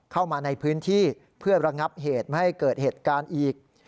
เข้ามาในพื้นที่เพื่อระงับเหตุไม่ให้เกิดเหตุการณ์อีก